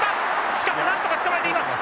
しかしなんとかつかまえています。